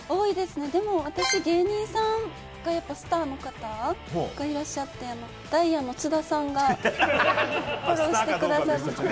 でも、私、芸人さんのスターの方がいらっしゃってダイアンの津田さんがフォローしてくださって。